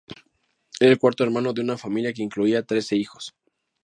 Era el cuarto hermano de una familia que incluía trece hijos.